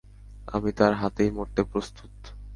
আমি তার হাতেই মরতে প্রস্তুত।